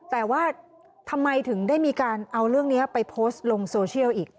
แต่ว่าทำไมถึงได้มีการเอาเรื่องนี้ไปโพสต์ลงโซเชียลอีก